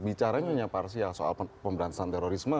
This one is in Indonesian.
bicaranya hanya parsial soal pemberantasan terorisme